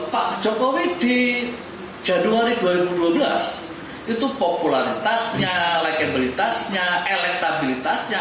pak jokowi di januari dua ribu dua belas itu popularitasnya elektabilitasnya elektabilitasnya